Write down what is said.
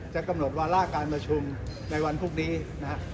กำหนดวาระการประชุมในวันพรุ่งนี้นะฮะ